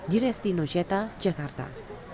di resti nusyeta jakarta